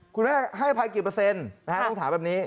คุณแม่ให้อภัยกี่เปอร์เซ็นต์ต้องถามแบบนี้